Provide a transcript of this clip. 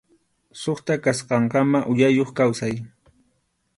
Suqta kasqankama uyayuq kawsay.